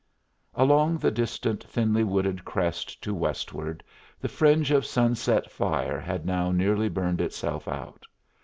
Along the distant, thinly wooded crest to westward the fringe of sunset fire had now nearly burned itself out.